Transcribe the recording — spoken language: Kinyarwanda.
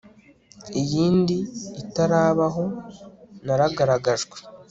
Iyindi itarabaho naragaragajwe